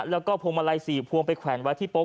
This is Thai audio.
แล้วก็พวงมาลัยสี่พวงไปแขวนวัฒิโปร์